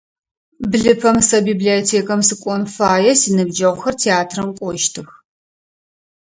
Блыпэм сэ библиотекам сыкӏон фае, синыбджэгъухэр театрам кӏощтых.